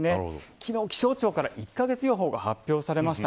昨日、気象庁から１カ月予報が発表されました。